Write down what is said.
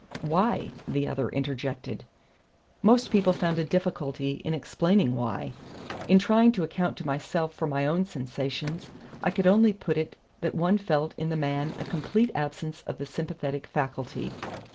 "Why?" the other interjected. "Most people found a difficulty in explaining why. In trying to account to myself for my own sensations, I could only put it that one felt in the man a complete absence of the sympathetic faculty.